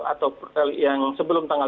atau yang sebelum tanggal